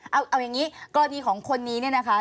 เอาอย่างนี้กรณีของคนนี้เนี่ยนะคะ